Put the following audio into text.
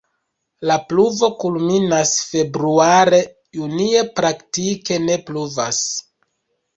La pluvo kulminas februare, junie praktike ne pluvas.